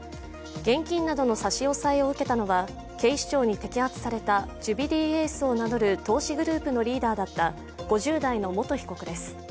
現金などの差し押さえを受けたのは警視庁に摘発されたジュビリーエースと名乗る投資グループのリーダーだった５０代の元被告です。